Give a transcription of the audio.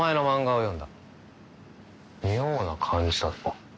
妙な感じだった。